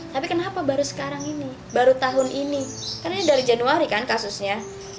tapi kenapa baru sekarang ini baru tahun ini karena ini dari januari kan kasusnya